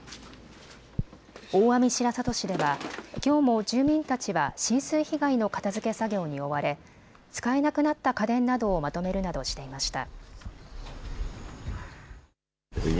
大網白里市ではきょうも住民たちは浸水被害の片づけ作業に追われ使えなくなった家電などをまとめるなどしていました。